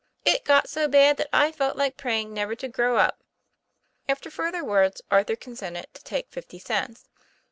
It got so bad that I felt like praying never to grow up." After further words, Arthur consented to take fifty cents.